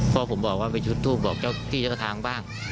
พ่อผมบอกว่าไปจุดทูปบอกเจ้าที่เจ้าทางบ้าง